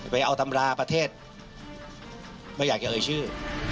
ไปเอาตำราประเทศไม่อยากจะเอ่ยชื่อ